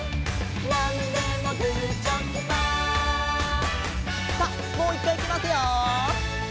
「なんでもグーチョキパー」さあもういっかいいきますよ！